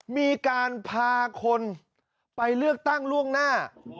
มีการพาคนไปเลือกตั้งล่วงหน้า